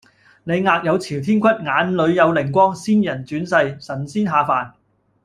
你額有朝天骨，眼裡有靈光，仙人轉世，神仙下凡